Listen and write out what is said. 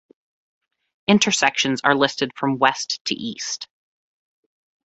Intersections are listed from west to east.